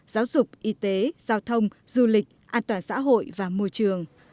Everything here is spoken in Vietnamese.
giáo dục y tế giao thông du lịch an toàn xã hội và môi trường